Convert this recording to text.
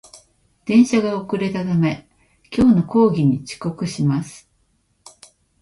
電車が遅れたため、今日の講義に遅刻します